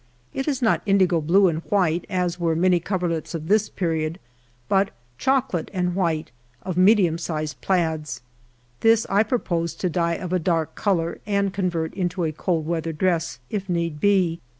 It is not indigo blue and white, as were many coverlets of this period, but chocolate and white, of medium sized plaids. This I purpose to d3'e of a dark color, and convert into a cold weather dress, if need be.